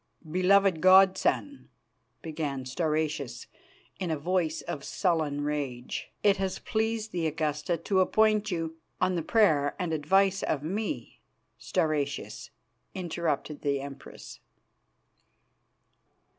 "Beloved god son," began Stauracius, in a voice of sullen rage, "it has pleased the Augusta to appoint you " "On the prayer and advice of me, Stauracius," interrupted the Empress.